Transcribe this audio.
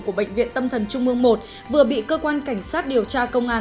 của bệnh viện tâm thần trung mương một vừa bị cơ quan cảnh sát điều tra công an